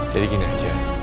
jadi gini aja